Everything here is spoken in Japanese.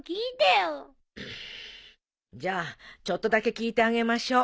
じゃあちょっとだけ聞いてあげましょう。